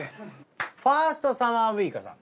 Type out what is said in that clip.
ファーストサマーウイカさん。